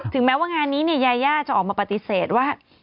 แม้ว่างานนี้ยายาจะออกมาปฏิเสธว่า